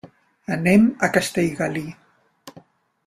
Anem a Castellgalí.